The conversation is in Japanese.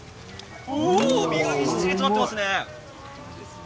身がぎっしり詰まっていますね。